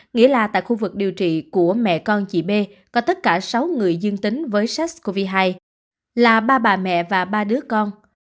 nghĩa là tại khu vực điều trị của mẹ con chị bê có tất cả sáu người dương tính với sars cov hai là ba bà mẹ và ba đứa con